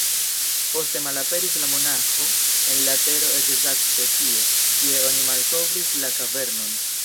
Poste malaperis la monaĥo en la tero ekzakte tie, kie oni malkovris la kavernon.